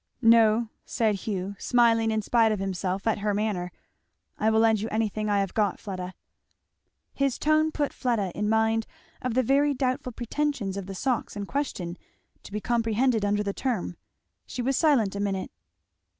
"No," said Hugh, smiling in spite of himself at her manner, "I will lend you anything I have got, Fleda." His tone put Fleda in mind of the very doubtful pretensions of the socks in question to be comprehended under the term; she was silent a minute.